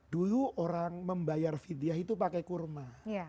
dulu orang membayar vidyah itu pakai kurma